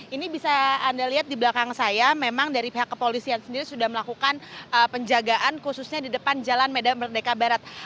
ini bisa anda lihat di belakang saya memang dari pihak kepolisian sendiri sudah melakukan penjagaan khususnya di depan jalan medan merdeka barat